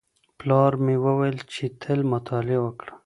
پلار مې وویل چي تل مطالعه وکړه.